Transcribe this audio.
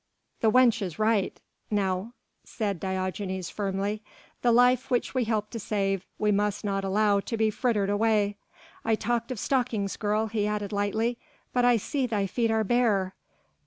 "The wench is right," now said Diogenes firmly, "the life which we helped to save, we must not allow to be frittered away. I talked of stockings, girl," he added lightly, "but I see thy feet are bare....